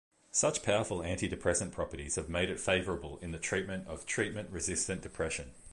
Such powerful antidepressant properties have made it favorable in the treatment of treatment-resistant depression.